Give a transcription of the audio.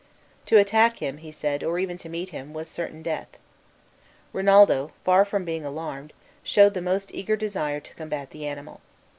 To attack him, he said, or even to meet him, was certain death. Rinaldo, far from being alarmed, showed the most eager desire to combat the animal.